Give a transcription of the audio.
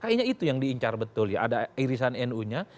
kayaknya itu yang diincar betul ya ada irisan nu nya